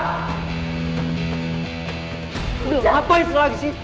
udah ngapain lo lagi sih